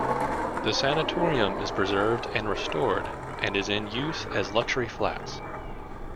The Sanatorium is preserved and restored, and is in use as luxury flats.